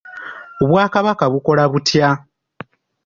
Obwakabaka bukola butya?